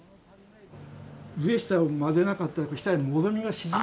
上下を混ぜなかったら下にもろみが沈んで。